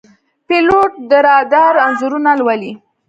پیلوټ د رادار انځورونه لولي.